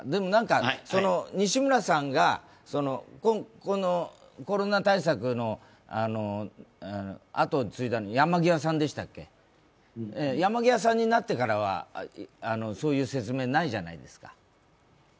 西村さんのコロナ対策のあとを継いだのは山際さんでしたっけ山際さんになってからは、そういう説明、ないじゃないですか。